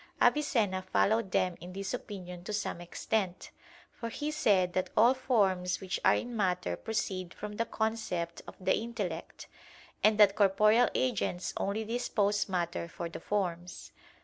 Avicenna followed them in this opinion to some extent, for he said that all forms which are in matter proceed from the concept of the intellect; and that corporeal agents only dispose [matter] for the forms.